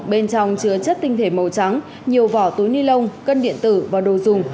bên trong chứa chất tinh thể màu trắng nhiều vỏ túi ni lông cân điện tử và đồ dùng